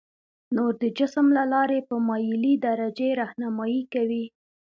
نور د جسم له لارې په مایلې درجې رهنمایي کوي.